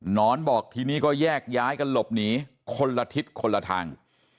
นอนบอกทีนี้ก็แยกย้ายกันหลบหนีคนละทิศคนละทาง